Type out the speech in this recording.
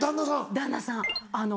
旦那さん。